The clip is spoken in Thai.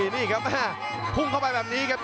นี่ครับพุ่งเข้าไปแบบนี้ครับ